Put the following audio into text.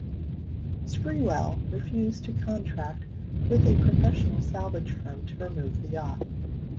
Sprewell refused to contract with a professional salvage firm to remove the yacht.